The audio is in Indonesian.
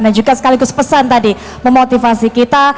dan juga sekaligus pesan tadi memotivasi kita